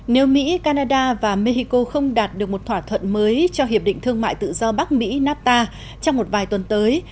nếu mỹ canada và mexico không đạt được một thỏa thuận mới cho hiệp định thương mại tự do bắc mỹ nafta trong một vài tuần tới